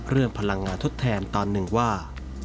เรื่องพลังงานทดแทนตอนหนึ่งว่า